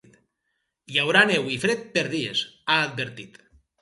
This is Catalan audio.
“Hi haurà neu i fred per dies”, ha advertit.